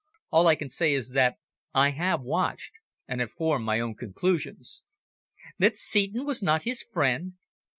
All I can say is that I have watched, and have formed my own conclusions." "That Seton was not his friend?"